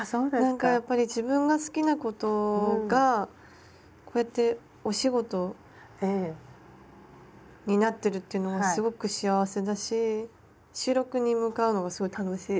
なんかやっぱり自分が好きなことがこうやってお仕事になってるっていうのがすごく幸せだし収録に向かうのがすごい楽しい。